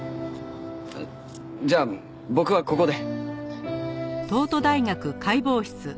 じゃあ僕はここで。